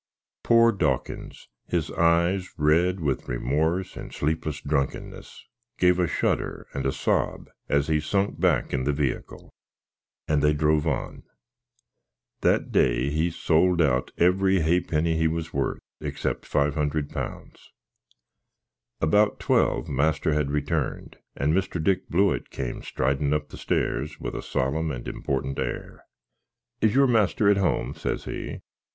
Pore Dawkins! his eyes red with remors and sleepliss drankenniss, gave a shudder and a sob, as he sunk back in the wehicle; and they drove on. That day he sold out every hapny he was worth, xcept five hundred pounds. Abowt 12 master had returned, and Mr. Dick Blewitt came stridin up the stairs with a sollum and important hair. "Is your master at home?" says he.